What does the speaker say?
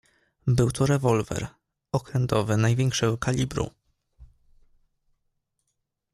"Był to rewolwer, okrętowy, największego kalibru."